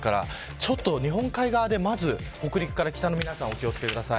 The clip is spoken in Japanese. ちょっと日本海側で、北陸から北の皆さんお気を付けください。